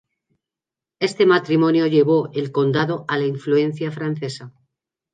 Este matrimonio llevó el condado a la influencia francesa.